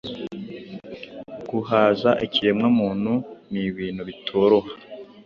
guhaza ikiremwamuntu nibintu bitoroha